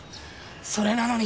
それなのに。